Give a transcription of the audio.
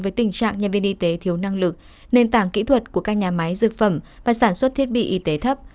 với tình trạng nhân viên y tế thiếu năng lực nền tảng kỹ thuật của các nhà máy dược phẩm và sản xuất thiết bị y tế thấp